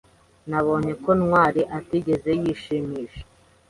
Nabonye ko Ntwali atigeze yishimisha.